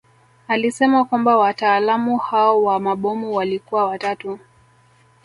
Alisema kwamba wataalamu hao wa mabomu walikuwa watatu